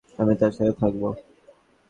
আমি তার সাথে থাকব।